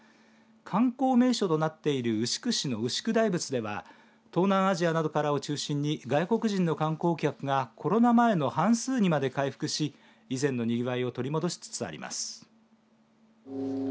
観光名所となっている牛久市の牛久大仏では東南アジアなどからを中心に外国人の観光客がコロナ前の半数にまで回復し以前のにぎわいを取り戻しつつあります。